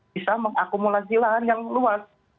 bisa mengakumulasi lahan yang luas